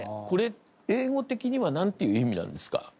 これ英語的にはなんていう意味なんですか？